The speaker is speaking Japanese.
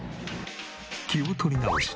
気を取り直し。